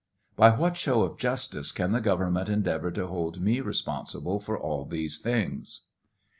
By what show of justice can the government endeavor to hold, me responsible for all these things